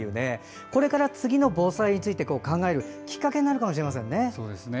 これから次の防災について考えるきっかけになるかもしれませんよね。